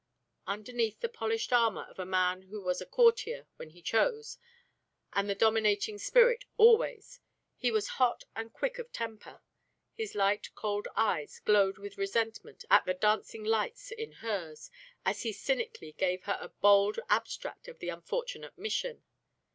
Underneath the polished armour of a man who was a courtier when he chose and the dominating spirit always, he was hot and quick of temper. His light cold eyes glowed with resentment at the dancing lights in hers, as he cynically gave her a bald abstract of the unfortunate mission.